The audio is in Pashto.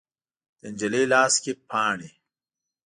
د نجلۍ لاس کې پاڼې